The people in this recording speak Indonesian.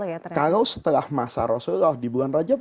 ya bagus saja